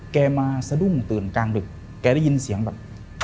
แกมาสะดุ้งตื่นกลางดึกแกได้ยินเสียงแบบ